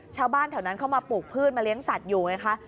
ชาวบ้านแถวนั้นเข้ามาปลูกพืชมาเลี้ยงสัตว์อยู่ไงคะ